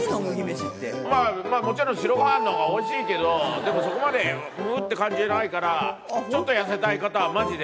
まあ、もちろん白ごはんのほうがおいしいけど、でもそこまで、うーんって感じじゃないから、ちょっと痩せたい方はまじで。